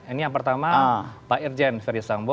ini yang pertama pak irjen ferdisambo